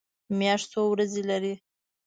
میاشت څو ورځې لري؟